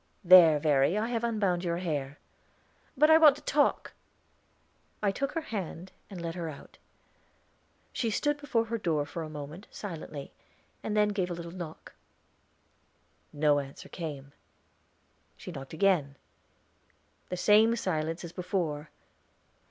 "There, Verry, I have unbound your hair." "But I want to talk." I took her hand, and led her out. She stood before her door for a moment silently, and then gave a little knock. No answer came. She knocked again; the same silence as before.